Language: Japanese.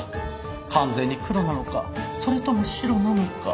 完全に黒なのかそれとも白なのか。